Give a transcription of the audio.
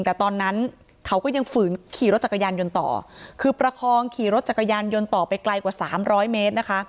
แต่ตอนนั้นเขาก็ยังฝืนขี่รถจักรยานยนต์ต่อคือประคองขี่รถจักรยานยนต์ต่อไปไกลกว่าสามร้อยเมตรนะคะ